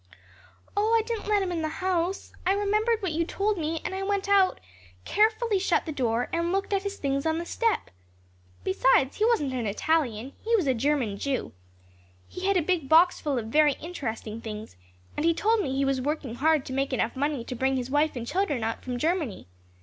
"Oh, I didn't let him in the house. I remembered what you told me, and I went out, carefully shut the door, and looked at his things on the step. Besides, he wasn't an Italian he was a German Jew. He had a big box full of very interesting things and he told me he was working hard to make enough money to bring his wife and children out from Germany.